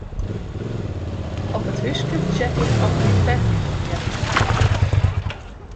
Op it húske check ik oft myn panty noch ljedderfrij is.